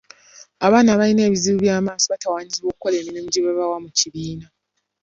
Abaana abalina ebizibu by'amaaso batawaanyizibwa okukola emirimu egibaweebwa mu kibiina.